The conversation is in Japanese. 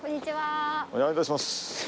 お願いいたします。